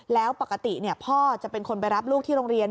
แล้วปกติพ่อจะเป็นคนไปรับลูกที่โรงเรียน